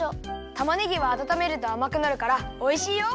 たまねぎはあたためるとあまくなるからおいしいよ！